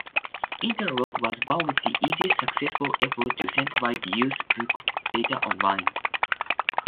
Interloc was one of the earliest successful efforts to centralize used book data online.